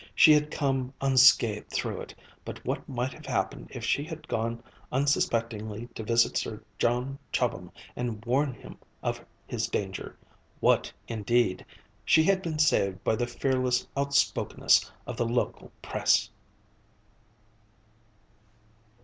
She had come unscathed through it, but what might have happened if she had gone unsuspectingly to visit Sir John Chobham and warn him of his danger? What indeed! She had been saved by the fearless outspokenness of the local Press.